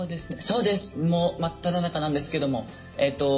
そうですもう真っただ中なんですけども。